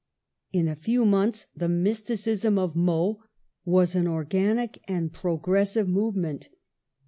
In a few months the mysticism of Meaux was an organic and progressive move ment.